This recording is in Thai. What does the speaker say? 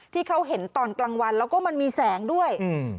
ที่เขาเห็นตอนกลางวันแล้วก็มันมีแสงด้วยอืม